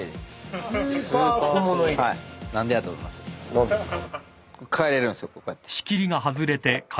何ですか？